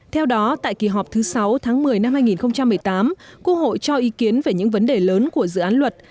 theo đó tại kỳ họp thứ sáu tháng một mươi năm hai nghìn một mươi tám quốc hội cho ý kiến về những vấn đề lớn của dự án luật